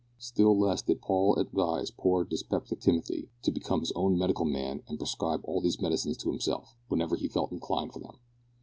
Still less did Paul advise poor dyspeptic Timothy to become his own medical man and prescribe all these medicines to himself, whenever he felt inclined for them.